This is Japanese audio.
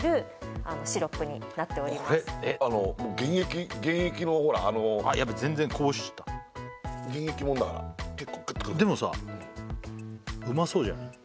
もう原液原液のほらあのあヤベっ全然こぼしちゃった原液もんだから結構クッとくるでもさうまそうじゃない？